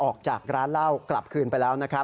ออกจากร้านเหล้ากลับคืนไปแล้วนะครับ